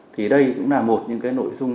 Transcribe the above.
thì đây cũng là một những nội dung